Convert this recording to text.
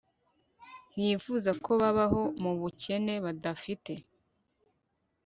Ntiyifuza ko babaho mu bukene badafite